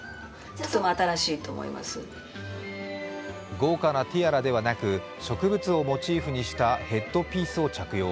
豪華なティアラではなく植物をモチーフにしたヘッドピースを着用。